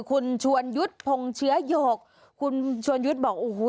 คุณชวนยุทธ์พงเชื้อหยกคุณชวนยุทธ์บอกโอ้โห